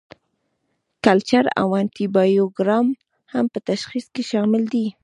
کلچر او انټي بایوګرام هم په تشخیص کې شامل دي.